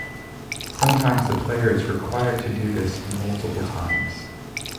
Sometimes the player is required to do this multiple times.